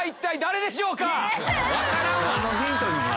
分からんわ！